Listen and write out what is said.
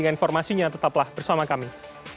dengan informasinya tetaplah bersama kami